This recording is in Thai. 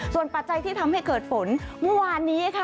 ส่วนปัจจัยที่ทำให้เกิดฝนเมื่อวานนี้ค่ะ